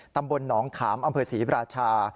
ตำบลหนองขามอำเภอศรีราชา